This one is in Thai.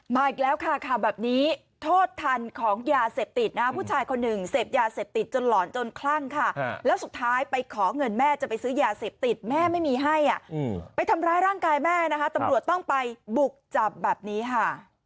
อีกแล้วค่ะข่าวแบบนี้โทษทันของยาเสพติดนะผู้ชายคนหนึ่งเสพยาเสพติดจนหลอนจนคลั่งค่ะแล้วสุดท้ายไปขอเงินแม่จะไปซื้อยาเสพติดแม่ไม่มีให้อ่ะไปทำร้ายร่างกายแม่นะคะตำรวจต้องไปบุกจับแบบนี้ค่ะ